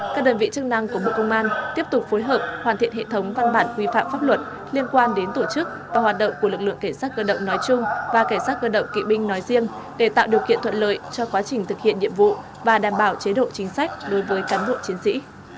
các đơn vị chức năng của bộ công an tiếp tục phối hợp hoàn thiện hệ thống văn bản quy phạm pháp luật liên quan đến tổ chức và hoạt động của lực lượng cảnh sát cơ động nói chung và cảnh sát cơ động kỵ binh nói riêng để tạo điều kiện thuận lợi cho quá trình thực hiện nhiệm vụ và đảm bảo chế độ chính sách đối với cán bộ chiến sĩ